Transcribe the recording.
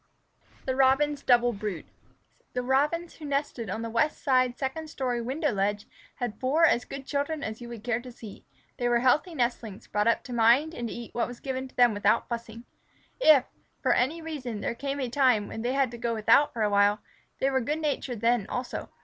THE ROBINS' DOUBLE BROOD The Robins who nested on the west side second story window ledge had four as good children as you would care to see. They were healthy nestlings, brought up to mind and to eat what was given to them without fussing. If, for any reason there came a time when they had to go without for a while, they were good natured then also.